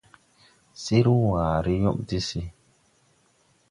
Sir ware yõɓ de se.